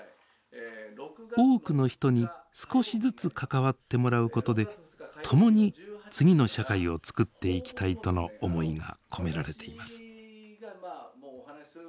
多くの人に少しずつ関わってもらうことで共に次の社会をつくっていきたいとの思いが込められています。